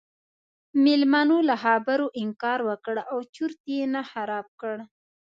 میلمنو له خبرو انکار وکړ او چرت یې نه خراب کړ.